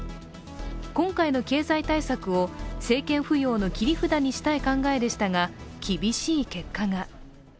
今回の経済対策を政権浮揚の切り札にしたい考えでしたが、厳しい結果が。